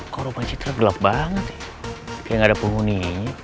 kau rumah citra gelap banget ya kayak gak ada penghuni